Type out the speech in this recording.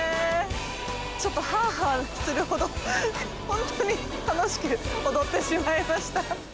ちょっとハアハアするほど本当に楽しく踊ってしまいました。